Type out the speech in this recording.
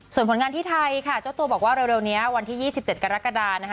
ส่วนผลงานที่ไทยค่ะเจ้าตัวบอกว่าเร็วนี้วันที่๒๗กรกฎานะคะ